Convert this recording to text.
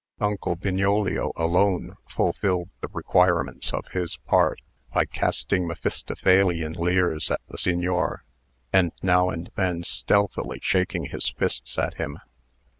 Uncle Bignolio alone fulfilled the requirements of his part, by casting Mephistophelean leers at the Signor, and now and then stealthily shaking his fists at him.